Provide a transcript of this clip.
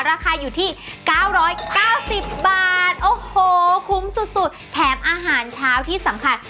ราคาอยู่ที่เก้าร้อยเก้าสิบบาทโอ้โหคุ้มสุดสุดแถมอาหารเช้าที่สำคัญ